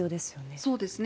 そうですね。